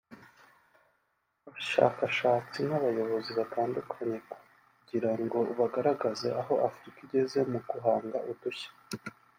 abashyakashatsi n’abayobozi batandukanye kugirango bagaragaze aho Afurika igeze mu guhanga udushya